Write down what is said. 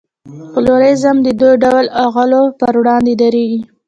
پلورالېزم د دې ډول اعلو پر وړاندې درېږي.